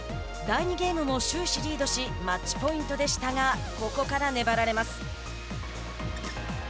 第２ゲームも終始リードしマッチポイントでしたがここから粘られます。